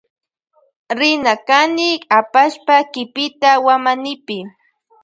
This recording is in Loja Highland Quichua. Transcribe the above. Rina kani apashpa kipita wamanipi.